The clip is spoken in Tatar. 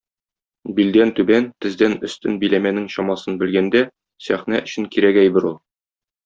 Билдән түбән, тездән өстен биләмәнең чамасын белгәндә, сәхнә өчен кирәк әйбер ул.